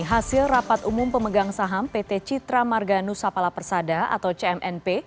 hasil rapat umum pemegang saham pt citra marganu sapala persada atau cmnp